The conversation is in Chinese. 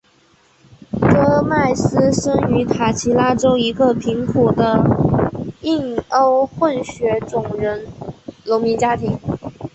戈麦斯生于塔奇拉州一个贫苦的印欧混血种人农民家庭。